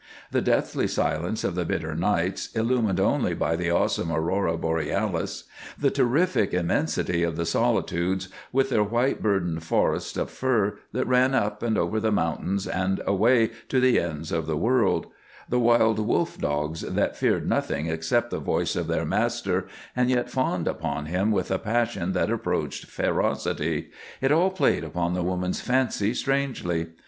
The deathly silence of the bitter nights, illumined only by the awesome aurora borealis; the terrific immensity of the solitudes, with their white burdened forests of fir that ran up and over the mountains and away to the ends of the world; the wild wolf dogs that feared nothing except the voice of their master, and yet fawned upon him with a passion that approached ferocity it all played upon the woman's fancy strangely.